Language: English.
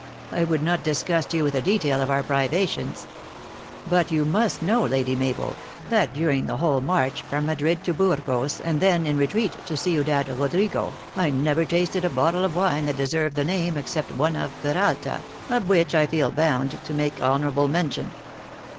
I would not disgust you with a detail of our privations ; but you must know, Lady Mabel, that during the whole march from Madrid to Burgos, and thence, in retreat, to Ciudad Kodrigo, I never tasted a bottle of wine that deserved the name, except one of Peralta, of which I feel bound to make honorable mention.